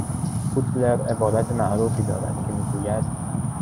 بودلر عبارت معروفی دارد که میگوید